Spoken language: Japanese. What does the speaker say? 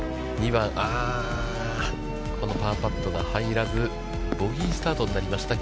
２番、このパーパットが入らず、ボギースタートになりました